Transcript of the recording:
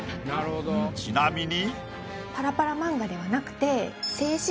ちなみに。